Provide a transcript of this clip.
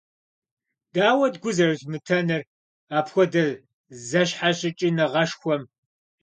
Дауэт гу зэрылъумытэнур апхуэдэ зэщхьэщыкӀыныгъэшхуэм?